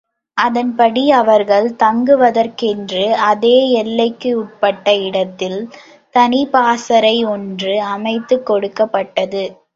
அதன்படி அவர்கள் தங்குவதற்கென்று அதே எல்லைக்கு உட்பட்ட இடத்தில் தனிப்பாசறை ஒன்று அமைத்துக் கொடுக்கப் பட்டது.